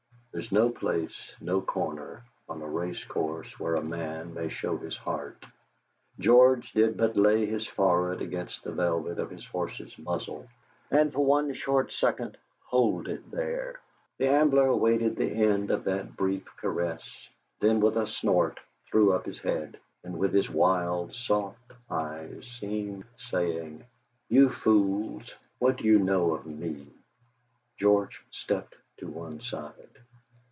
There is no place, no corner, on a racecourse where a man may show his heart. George did but lay his forehead against the velvet of his horse's muzzle, and for one short second hold it there. The Ambler awaited the end of that brief caress, then with a snort threw up his head, and with his wild, soft eyes seemed saying, 'You fools! what do you know of me?' George stepped to one side.